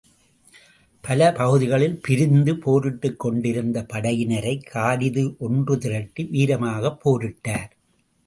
பல பகுதிகளில் பிரிந்து, போரிட்டுக் கொண்டிருந்த படையினரை காலிது ஒன்று திரட்டி வீரமாகப் போரிட்டார்.